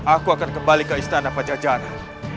aku akan kembali ke istana pajajana